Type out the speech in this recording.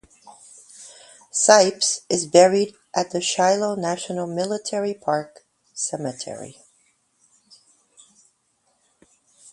Sipes is buried at the Shiloh National Military Park cemetery.